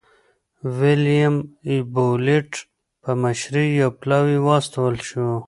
د ویلیم بولېټ په مشرۍ یو پلاوی واستول شو.